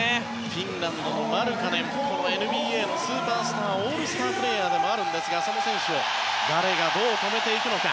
フィンランドもマルカネンＮＢＡのスーパースターオールスタープレーヤーでもあるんですがその選手を誰が、どう止めていくのか。